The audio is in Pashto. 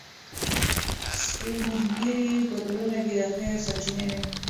سپین ږیري په ټولنه کې د خیر سرچینه وي.